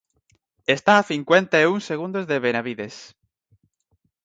Está a cincuenta e un segundos de Benavides.